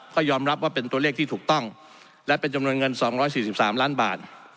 ก็ยอมรับว่าเป็นตัวเลขที่ถูกต้องและเป็นจำนวนเงิน๒๔๓ล้านบาท